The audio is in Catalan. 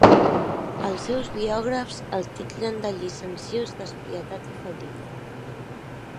Els seus biògrafs el titllen de llicenciós, despietat i faldiller.